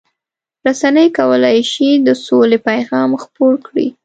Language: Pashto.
رسنۍ کولای شي د سولې پیغام خپور کړي.